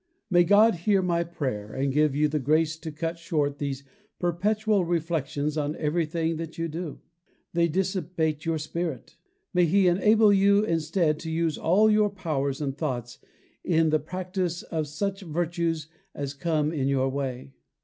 May God hear my prayer, and give you the grace to cut short these perpetual reflections on everything that you do. They dissipate your spirit. May He enable you instead to use all your powers and thoughts in the practice of such virtues as come in your way.